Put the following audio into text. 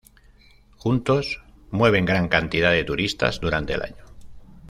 Juntos, mueven gran cantidad de turistas durante el año.